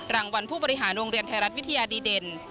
รางวัลผู้บริหารโรงเรียนไทยรัฐวิทยาดีเด่น